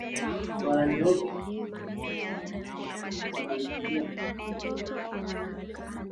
Mwezi wa kwanza walifika bandari Afrika